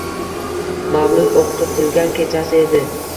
Mavlud o'qitilgan kechasi edi.